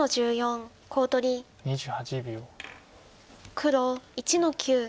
黒１の九。